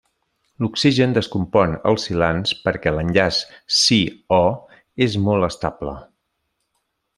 L'oxigen descompon els silans perquè l'enllaç Si—O és molt estable.